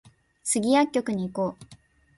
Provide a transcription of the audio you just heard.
スギ薬局に行こう